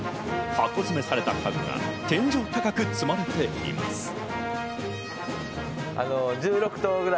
箱詰めされた商品が天井高く積まれています。